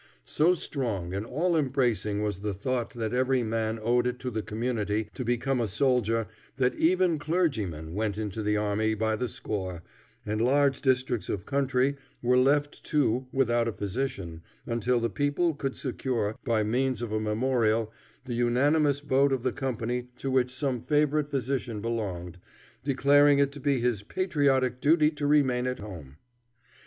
So strong and all embracing was the thought that every man owed it to the community to become a soldier, that even clergymen went into the army by the score, and large districts of country were left too without a physician, until the people could secure, by means of a memorial, the unanimous vote of the company to which some favorite physician belonged, declaring it to be his patriotic duty to remain at home.